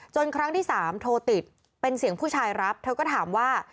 ครั้งที่๓โทรติดเป็นเสียงผู้ชายรับเธอก็ถามว่า